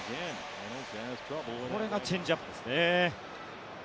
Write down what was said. これがチェンジアップですね。